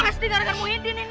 pasti ngerangkak muidin ini